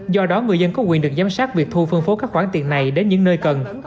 do đó người dân có quyền được giám sát việc thu phân phố các khoản tiền này đến những nơi cần